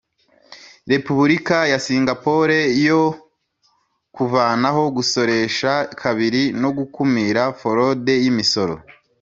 Repubulika ya Singapore yo kuvanaho gusoresha kabiri no gukumira forode y imisoro